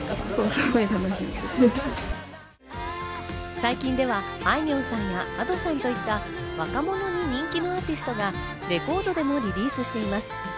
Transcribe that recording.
最近では、あいみょんさんやＡｄｏさんといった若者に人気のアーティストがレコードでもリリースしています。